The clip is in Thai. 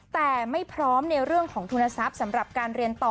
แต่ไม่พร้อมในเรื่องของทุนทรัพย์สำหรับการเรียนต่อ